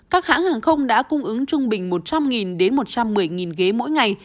các hãng hàng không đã cung ứng trung bình một trăm linh đến một trăm một mươi ghế mỗi ngày